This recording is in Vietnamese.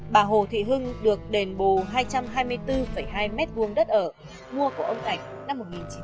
bà hồ thị hưng được đền bù hai trăm hai mươi bốn hai m hai đất ở mua của ông thạch năm một nghìn chín trăm bảy mươi